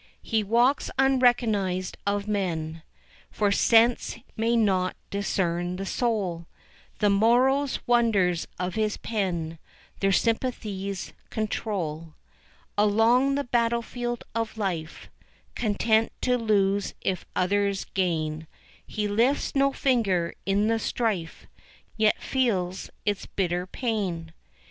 He walks unrecognized of men, For sense may not discern the soul; The morrow's wonders of his pen Their sympathies control. Along the battle field of life, Content to lose if others gain, He lifts no finger in the strife, Yet feels its bitter pain.